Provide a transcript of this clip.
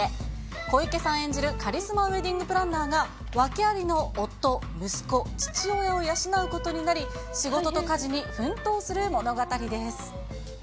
小池さん演じる、カリスマウエディングプランナーが、訳ありの夫、息子、父親を養うことになり、仕事と家事に奮闘する物語です。